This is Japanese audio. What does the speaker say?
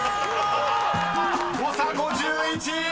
［誤差５１！］